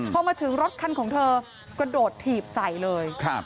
พอมาถึงรถคันของเธอกระโดดถีบใส่เลย